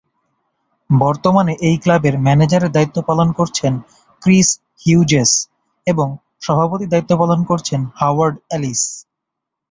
বর্তমানে এই ক্লাবের ম্যানেজারের দায়িত্ব পালন করছেন ক্রিস হিউজেস এবং সভাপতির দায়িত্ব পালন করছেন হাওয়ার্ড এলিস।